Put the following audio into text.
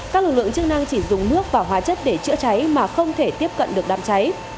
các lực lượng chức năng chỉ dùng nước và hóa chất để chữa cháy mà không thể tiếp cận được đám cháy